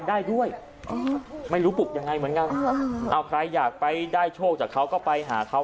ได้ด้วยไม่รู้ปลุกยังไงเหมือนกันเอาใครอยากไปได้โชคจากเขาก็ไปหาเขา